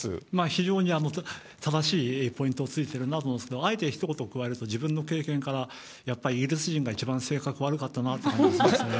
非常に、正しいポイントをついてるなと思うんですけど、あえてひと言加えると、自分の経験からやっぱりイギリス人が一番性格悪かったなという感じですね。